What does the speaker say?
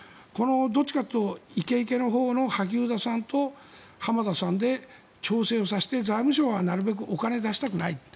どちらかというとイケイケのほうの萩生田さんと浜田さんで調整をさせて、財務省はなるべくお金を出したくない。